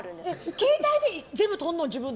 携帯で全部、撮るの？